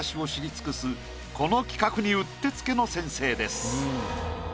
この企画にうってつけの先生です。